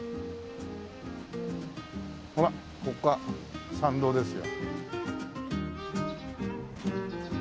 ほらここは参道ですよ。